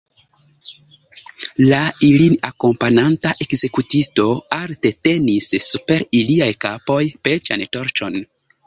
La ilin akompananta ekzekutisto alte tenis super iliaj kapoj peĉan torĉon.